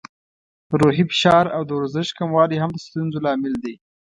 روحي فشار او د ورزش کموالی هم د ستونزو لامل دی.